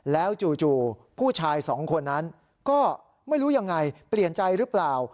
แล้วจู่ผู้ชายสองคนนั้นก็ไม่รู้ยังไงเปลี่ยนใจหรือเปล่า